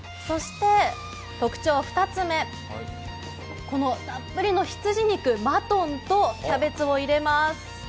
特徴２つ目は、このたっぷりの羊肉、マトンとキャベツを入れます。